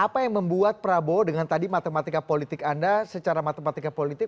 apa yang membuat prabowo dengan tadi matematika politik anda secara matematika politik